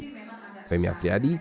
itu adalah kebebasan pers di jakarta